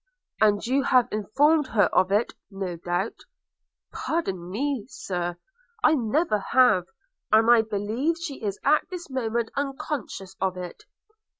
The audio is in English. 'And you have informed her of it, no doubt?' 'Pardon me, Sir, I never have; and I believe she is at this moment unconscious of it.'